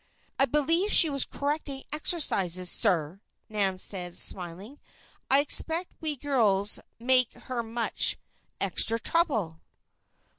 "I believe she was correcting exercises, sir," Nan said, smiling. "I expect we girls make her much extra trouble."